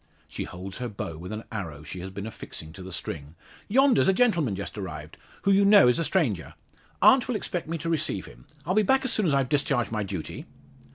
She holds her bow with an arrow she had been affixing to the string. "Yonder's a gentleman just arrived; who you know is a stranger. Aunt will expect me to receive him. I'll be back soon as I've discharged my duty."